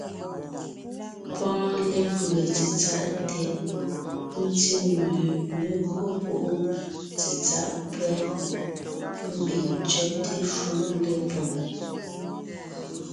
Pɔ́ɔn lépʉe tsetsáʼ tɛʼ, ńtí nue, mé gÿo púʼu tsetsáʼ pÿɛ́, ḿbiŋ ńtsẅɛ́te shúm lépoŋ.